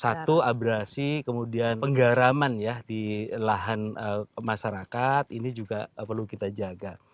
satu abrasi kemudian penggaraman ya di lahan masyarakat ini juga perlu kita jaga